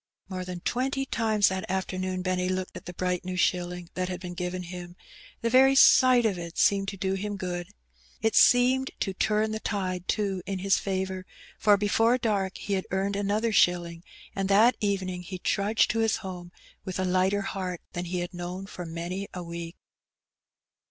More than twenty times that afternoon Benny looked at the bright new shilling that had been given him; the very sight of it seemed to do him good. It seemed to turn the tide, too, in his favour, for before dark he had earned another shilling; and that evening he trudged to his home with a lighter heart than he had known for many a week.